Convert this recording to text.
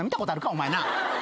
お前なあ。